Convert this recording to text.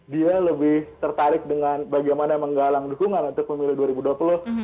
dia lebih tertarik dengan bagaimana menggalang dukungan untuk pemilu dua ribu dua puluh